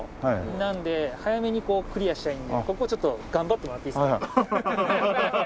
なので早めにクリアしたいのでここちょっと頑張ってもらっていいですか？